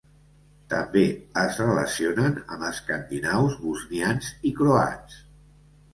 També es relacionen amb escandinaus, bosnians i croats.